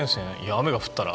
雨が降ったら？